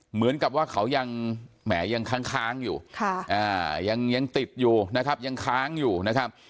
เหมือนกับว่าเขายังแหมยังค้างอยู่ยังติดอยู่นะครับยังค้างอยู่นะครับ